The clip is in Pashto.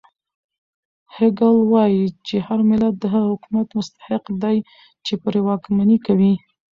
هګل وایي چې هر ملت د هغه حکومت مستحق دی چې پرې واکمني کوي.